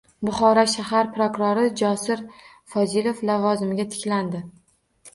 Buxoro shahar prokurori Josur Fozilov lavozimiga tiklandi